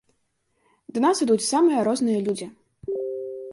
Да нас ідуць самыя розныя людзі.